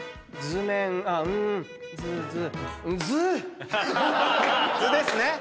図ですね。